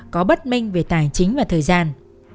có bất minh về tài chính và thời gian